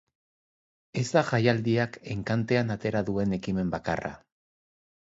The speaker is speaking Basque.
Ez da jaialdiak enkantean atera duen ekimen bakarra.